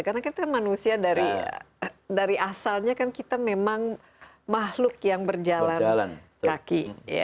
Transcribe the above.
karena kita manusia dari asalnya kan kita memang mahluk yang berjalan kaki